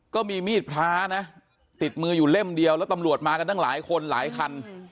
ก็มีมีดพระนะติดมืออยู่เล่มเดียวแล้วตำรวจมากันตั้งหลายคนหลายคัน